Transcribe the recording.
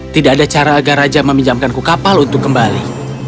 tidak ada cara agar raja meminjamkanku kapal untuk kembali